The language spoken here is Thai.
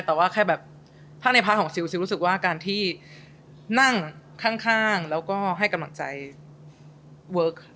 แต่ว่าแค่แบบถ้าในพาร์ทของซิลซิลรู้สึกว่าการที่นั่งข้างแล้วก็ให้กำลังใจเวิร์ค